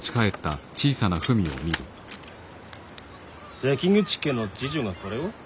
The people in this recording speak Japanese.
関口家の侍女がこれを？